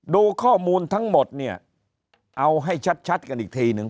ดูข้อมูลทั้งหมดเนี่ยเอาให้ชัดกันอีกทีหนึ่ง